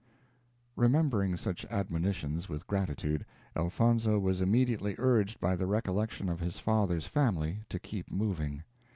Remembering such admonitions with gratitude, Elfonzo was immediately urged by the recollection of his father's family to keep moving.